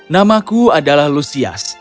namaku adalah lusias